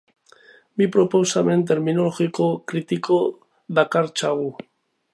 Bi proposamen terminologiko kritiko dakartzagu.